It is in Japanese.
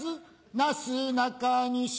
なすなかにし